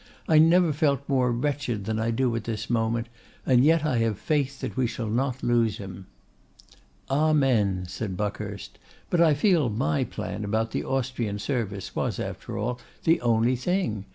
I never felt more wretched than I do at this moment, and yet I have faith that we shall not lose him.' 'Amen!' said Buckhurst; 'but I feel my plan about the Austrian service was, after all, the only thing.